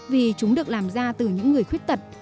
vì chúng được làm ra từ những người khuyết tật